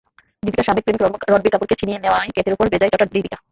দীপিকার সাবেক প্রেমিক রণবীর কাপুরকে ছিনিয়ে নেওয়ায় ক্যাটের ওপর বেজায় চটা দীপিকা।